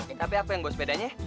eh tapi apa yang bos bedanya